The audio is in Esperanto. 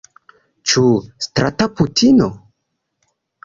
Ĉu strata putino?